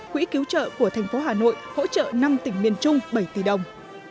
quỹ cứu trợ của thành phố hà nội hỗ trợ năm tỉnh miền trung bảy tỷ đồng